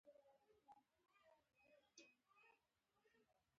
غریب له وږي خوبه پاڅي